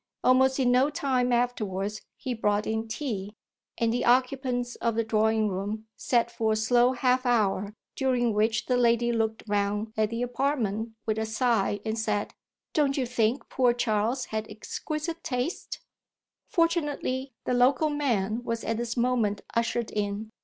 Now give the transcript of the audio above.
Almost in no time afterwards he brought in tea, and the occupants of the drawing room sat for a slow half hour, during which the lady looked round at the apartment with a sigh and said: "Don't you think poor Charles had exquisite taste?" Fortunately the "local man" was at this moment ushered in.